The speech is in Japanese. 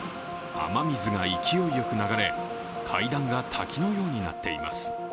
雨水が勢いよく流れ、階段が滝のようになっています。